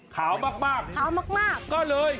ขาวมาก